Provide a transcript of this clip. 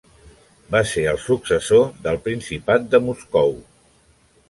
Va ser el successor del Principat de Moscou.